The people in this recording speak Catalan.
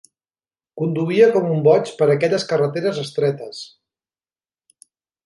Conduïa com un boig per aquelles carreteres estretes.